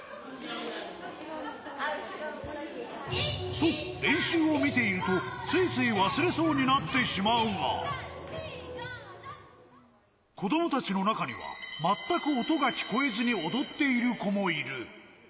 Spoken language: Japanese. そう、練習を見ていると、ついつい忘れそうになってしまうが、子供たちの中には、まったく音が聞こえずに踊っている子もいる。